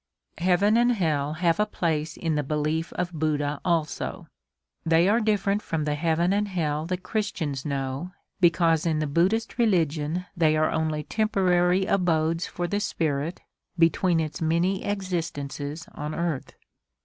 Heaven and Hell have a place in the belief of Buddha also. They are different from the Heaven and Hell that Christians know because in the Buddhist religion they are only temporary abodes for the spirit between its many existences on earth.